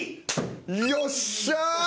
よっしゃ！